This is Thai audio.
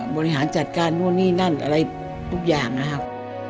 บริหารจัดการนู่นนี่นั่นอะไรทุกอย่างนะครับ